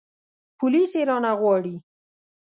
پوليس يې رانه غواړي.